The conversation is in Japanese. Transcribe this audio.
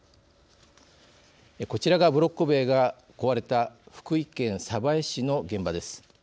こちらがブロック塀が壊れた福井県江市の現場です。